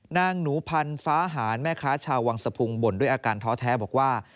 นางหนูพันธ์ฟ้าหารแม่ค้าชาววังสะพุงบ่นด้วยอาการท้อแท้บอกว่า